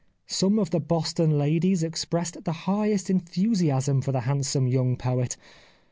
Some of the Boston ladies expressed the highest en thusiasm for the handsome young poet.